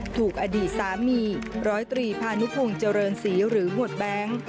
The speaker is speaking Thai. ถูกอดีตสามีร้อยตรีพานุพงศ์เจริญศรีหรือหมวดแบงค์